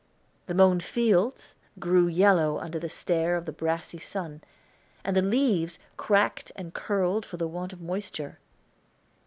The mown fields grew yellow under the stare of the brassy sun, and the leaves cracked and curled for the want of moisture.